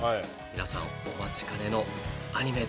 皆さんお待ちかねのアニメ